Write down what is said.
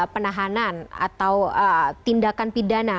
penahanan atau tindakan pidana